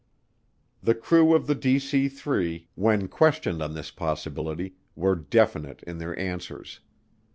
The crew of the DC 3, when questioned on this possibility, were definite in their answers.